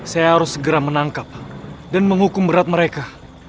saya harus segera menangkap dan menghukum berat mereka